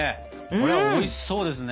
これはおいしそうですね。